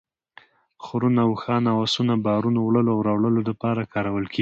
خرونه ، اوښان او اسونه بارونو وړلو او راوړلو دپاره کارول کیږي